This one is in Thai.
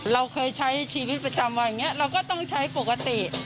เราเคยใช้ชีวิตประจำวันอย่างนี้เราก็ต้องใช้ปกติ